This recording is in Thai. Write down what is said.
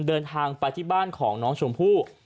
เดินทางไปที่บ้านของน้องชมพู่